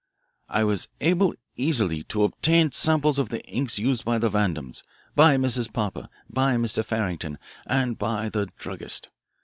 I was able easily to obtain samples of the inks used by the Vandams, by Mrs. Popper, by Mr. Farrington, and by the druggist.